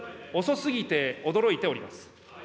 遅すぎて驚いております。